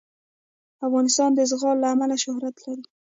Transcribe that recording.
افغانستان د زغال له امله شهرت لري.